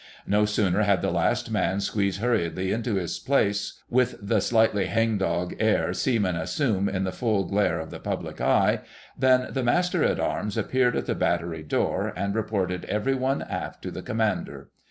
No sooner had the last man squeezed hurriedly into his place with the slightly hang dog air seamen assume in the full glare of the public eye, than the Master at Arms appeared at the battery door and reported every one aft to the Commander.